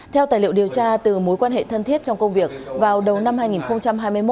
theo tài liệu điều tra từ mối quan hệ thân thiết trong công việc vào đầu năm hai nghìn hai mươi một